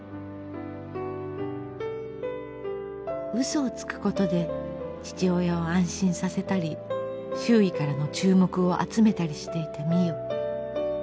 嘘をつくことで父親を安心させたり周囲からの注目を集めたりしていた美世。